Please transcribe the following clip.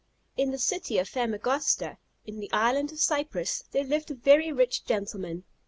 In the city of Famagosta, in the island of Cyprus, there lived a very rich gentleman.